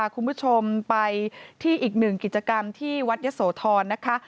คุณผู้ชมไปที่อีกหนึ่งกิจกรรมที่วัดยะโสธรนะคะ